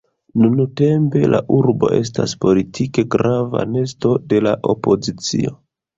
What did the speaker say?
Nuntempe la urbo estas politike grava nesto de la opozicio.